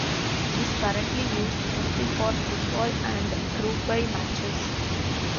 It is currently used mostly for football and rugby matches.